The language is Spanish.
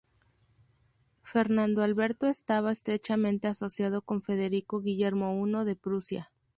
Fernando Alberto estaba estrechamente asociado con Federico Guillermo I de Prusia.